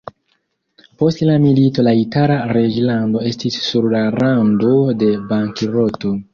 Post la milito la itala reĝlando estis sur la rando de bankroto.